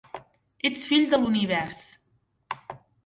Ets fill de l'univers